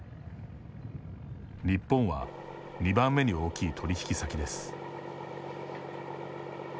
日本は２番目に大きい取引先です。